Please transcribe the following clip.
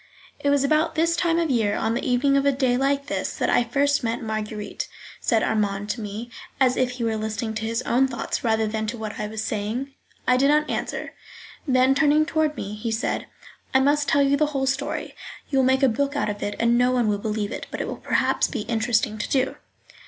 "It was about this time of the year, on the evening of a day like this, that I first met Marguerite," said Armand to me, as if he were listening to his own thoughts rather than to what I was saying. I did not answer. Then turning toward me, he said: "I must tell you the whole story; you will make a book out of it; no one will believe it, but it will perhaps be interesting to do."